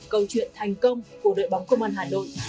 câu chuyện thành công của đội bóng công an hà nội